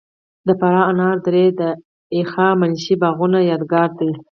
د فراه انار درې د هخامنشي باغونو یادګار دی